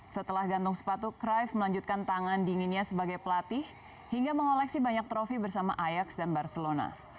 setelah gantung sepatu crave melanjutkan tangan dinginnya sebagai pelatih hingga mengoleksi banyak trofi bersama ayaks dan barcelona